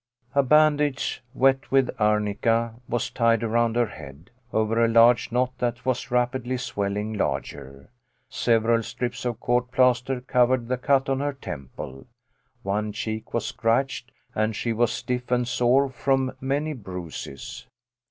A bandage wet with arnica was tied around her head, over a large knot that was rapidly swelling larger. Several strips of court plaster covered the cut on her temple. One cheek was scratched, and she was stiff and sore from many bruises.